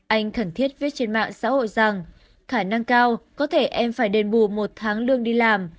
anh khẩn thiết viết trên mạng xã hội rằng khả năng cao có thể em phải đền bù một tháng lương đi làm